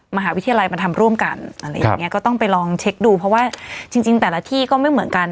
มหาวิทยาลัยมาทำร่วมกันอะไรอย่างเงี้ก็ต้องไปลองเช็คดูเพราะว่าจริงจริงแต่ละที่ก็ไม่เหมือนกัน